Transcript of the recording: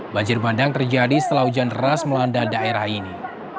banjir bandang terjadi setelah hujan deras melanda daerah ini